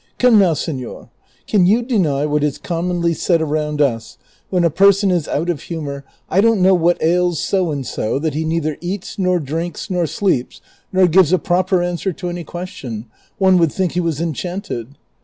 Come now, senor, can you deny what is commonly said around us, when a person is out of humor, ' I don't know what ails so and so, that he neither eats, nor drinks, nor sleeps, nor gives a })ro])er answer to any question ; one would think he was enchanted